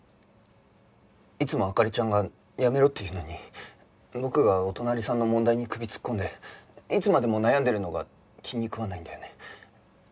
いつも灯ちゃんがやめろって言うのに僕がお隣さんの問題に首突っ込んでいつまでも悩んでるのが気に食わないんだよね？